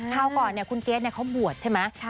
คราวก่อนคุณเกรทเขาบวชใช่ไหม